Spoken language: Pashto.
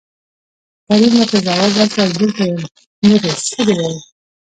کريم ورته ځواب ورکړ دلته يم لورې څه دې وويل.